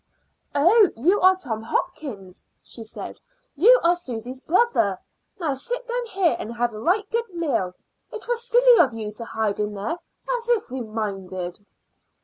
"Oh, you are Tom Hopkins," she said; "you are Susy's brother. Now sit down here and have a right good meal. It was silly of you to hide in there; as if we minded."